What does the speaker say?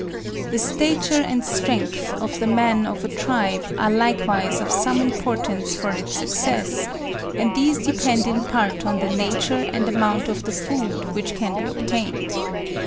The stature and strength of the men of a tribe are likewise of some importance for its success, and these depend in part on the nature and amount of the food which can be obtained.